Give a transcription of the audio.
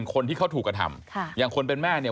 คนที่เขาถูกกระทำอย่างคนเป็นแม่เนี่ย